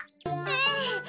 ええ。